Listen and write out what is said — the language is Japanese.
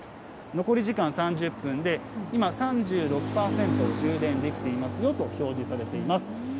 残り時間３０分で、今３６％充電できていますよと表示されています。